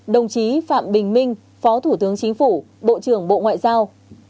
một mươi ba đồng chí phạm bình minh phó thủ tướng chính phủ bộ trưởng bộ ngoại giao